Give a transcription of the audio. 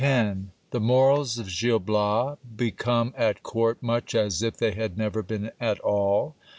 — The morals of Gil Bias become at court much as if they had never been at all.